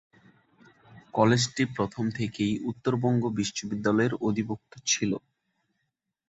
কলেজটি প্রথম থেকেই উত্তরবঙ্গ বিশ্ববিদ্যালয়ের অধিভুক্ত ছিল।